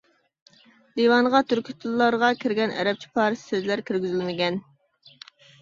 دىۋانغا تۈركىي تىللارغا كىرگەن ئەرەبچە پارسچە سۆزلەر كىرگۈزۈلمىگەن.